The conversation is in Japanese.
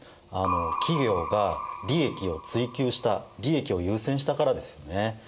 企業が利益を追求した利益を優先したからですよね。